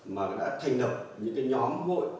mà đã thành lập những nhóm hội